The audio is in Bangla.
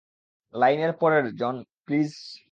লাইনের পরের জন, প্লিজ।